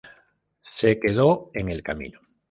Se quedó en el camino.